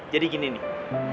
jadi gini nih